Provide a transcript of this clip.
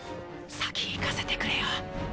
先行かせてくれよ。？